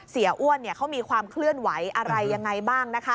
อ้วนเขามีความเคลื่อนไหวอะไรยังไงบ้าง